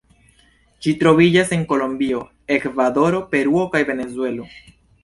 Ĝi troviĝas en Kolombio, Ekvadoro, Peruo kaj Venezuelo.